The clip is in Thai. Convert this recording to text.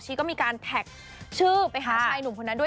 ็มีการแท็กชื่อไปหาชายหนุ่มคนนั้นด้วย